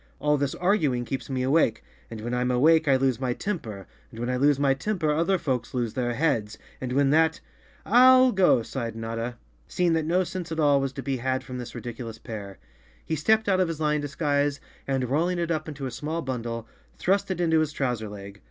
All this arguing keeps me awake, and when I'm awake I lose my temper, and when I lose my temper other folks lose their heads, and when that—" 55 The Co weirdly Lion of Oz _ "I'll go," sighed Notta, seeing that no sense at all was to be had from this ridiculous pair. fHe stepped out of his lion disguise and, rolling it up into a small bundle, thrust it into his trouser leg.